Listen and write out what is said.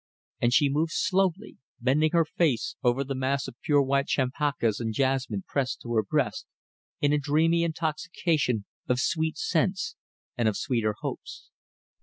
And she moved slowly, bending her face over the mass of pure white champakas and jasmine pressed to her breast, in a dreamy intoxication of sweet scents and of sweeter hopes.